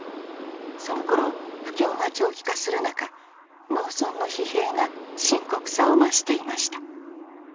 そのころ不況が長期化する中農村の疲弊が深刻さを増していました。